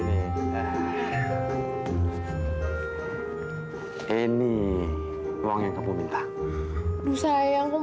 memang ny selonan ini tahu teman teman